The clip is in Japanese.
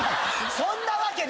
そんなわけないよね。